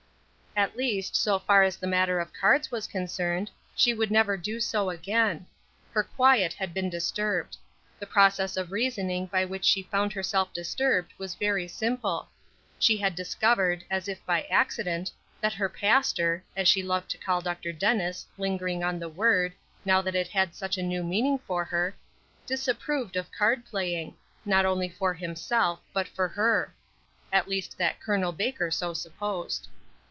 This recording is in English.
At least, so far as the matter of cards was concerned, she would never do so again. Her quiet had been disturbed. The process of reasoning by which she found herself disturbed was very simple. She had discovered, as if by accident, that her pastor; as she loved to call Dr. Dennis, lingering on the word, now that it had such a new meaning for her, disapproved of card playing, not only for himself, but for her; at least that Col. Baker so supposed.